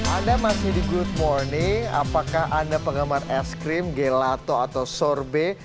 anda masih di good morning apakah anda penggemar es krim gelato atau sorbet